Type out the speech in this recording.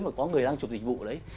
mà có người đang chụp dịch vụ đấy